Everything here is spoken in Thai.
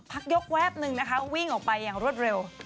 พักยกแวบนึงนะคะวิ่งออกไปอย่างรวดเร็ว